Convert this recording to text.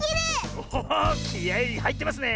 おおおっきあいはいってますね！